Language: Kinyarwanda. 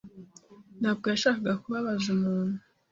ntabwo yashakaga kubabaza umuntu.